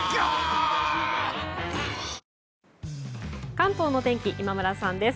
関東の天気今村さんです。